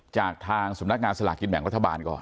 จากทางสำนักงานสลากกินแบ่งรัฐบาลก่อน